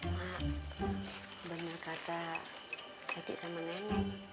mak bener kata kaki sama neng